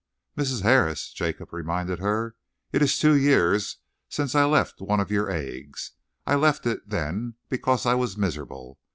"Mrs. Harris," Jacob reminded her, "it is two years since I left one of your eggs. I left it then because I was miserable.